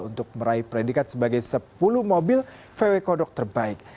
untuk meraih predikat sebagai sepuluh mobil vw kodok terbaik